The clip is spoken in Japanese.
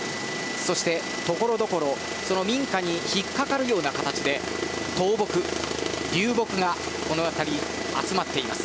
そして、ところどころ民家に引っかかるような形で倒木、流木がこの辺りに集まっています。